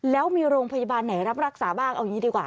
แล้วมีโรงพยาบาลไหนรับรักษาบ้างเอาอย่างนี้ดีกว่า